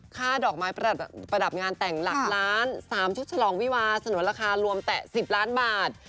ค่าดอกไม้ประดับงานแต่งหลักล้าน๓ชุดฉลองวิวาสนุนราคารวมแต่๑๐ล้านบาท